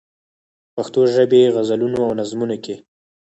په پښتو ژبې غزلونو او نظمونو کې.